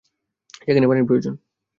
সেখানে পানির প্রয়োজন।